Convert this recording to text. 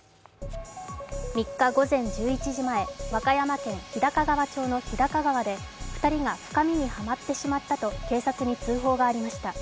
３日午前１１時前、和歌山県日高川町の日高川で２人が深みにはまってしまったと警察に通報がありました。